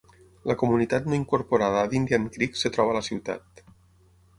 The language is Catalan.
La comunitat no incorporada d'Indian Creek es troba a la ciutat.